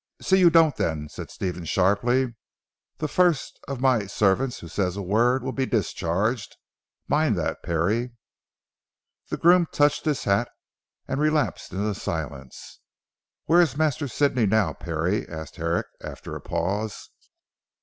"See you don't then," said Stephen sharply, "the first of my servants who says a word will be discharged, mind that Parry." The groom touched his hat and relapsed into silence. "Where is Master Sidney now Parry?" asked Herrick after a pause.